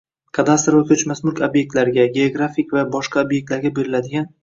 kadastr va ko‘chmas mulk obyektlariga, geografik va boshqa obyektlarga beriladigan